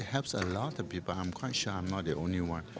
tapi saya yakin saya bukan saja yang membutuhkan orang